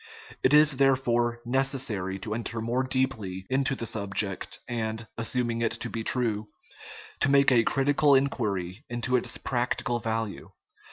It is, therefore, necessary to enter more deeply into the sub ject, and assuming it to be true to make a critical inquiry into its practical value.